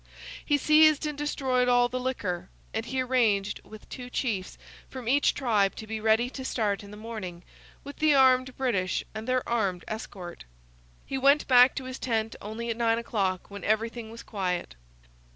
He seized and destroyed all the liquor; and he arranged with two chiefs from each tribe to be ready to start in the morning with the armed British and their armed escort. He went back to his tent only at nine o'clock, when everything was quiet.